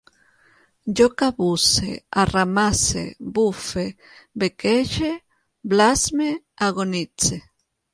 Jo cabusse, arramasse, bufe, bequege, blasme, agonitze